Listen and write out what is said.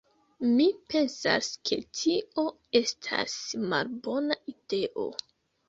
Mi pensas ke tio estas malbona ideo.